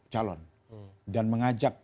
calon dan mengajak